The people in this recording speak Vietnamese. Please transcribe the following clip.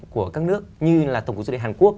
của các nước như là tổng cục du lịch hàn quốc